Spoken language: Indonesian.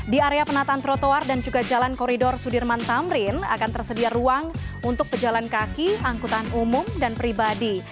di area penataan trotoar dan juga jalan koridor sudirman tamrin akan tersedia ruang untuk pejalan kaki angkutan umum dan pribadi